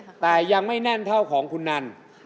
เขาจับเฉยแต่ยังไม่นั่นเท่าของคุณนั่น